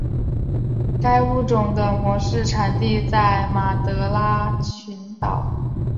该物种的模式产地在马德拉群岛。